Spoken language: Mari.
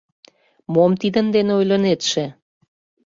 Мом тидын дене ойлынетше?